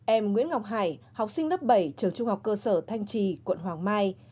em nguyễn ngọc hải học sinh lớp bảy trường trung học cơ sở thanh trì quận hoàng mai